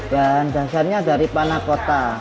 dasarnya dari panah kota